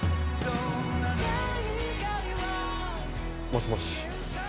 もしもし？